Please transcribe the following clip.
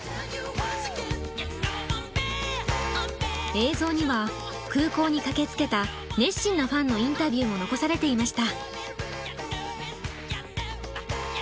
映像には空港に駆けつけた熱心なファンのインタビューも残されていました。